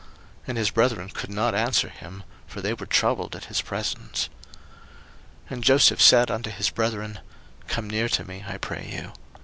And his brethren could not answer him; for they were troubled at his presence. 01:045:004 And Joseph said unto his brethren, Come near to me, I pray you.